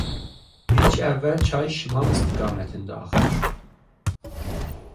İlk əvvəl çay şimal istiqamətdə axır.